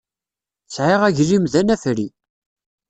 Sɛiɣ aglim d anafri.